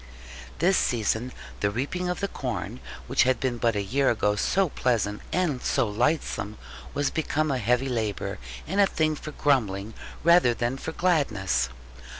This season, the reaping of the corn, which had been but a year ago so pleasant and so lightsome, was become a heavy labour, and a thing for grumbling rather than for gladness.